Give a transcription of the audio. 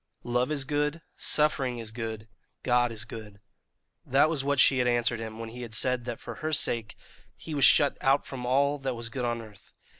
"Love is good; suffering is good; God is good" that was what she had answered him when he had said that for her sake he was shut out from all that was good on earth.